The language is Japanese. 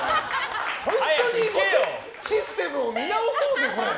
本当にこのシステムを見直そうぜ。